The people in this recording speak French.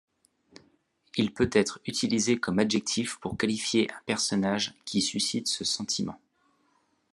Il peut être utilisé comme adjectif pour qualifier un personnage qui suscite ce sentiment.